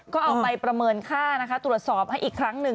ก็เอาไปประเมินค่านะคะตรวจสอบให้อีกครั้งหนึ่ง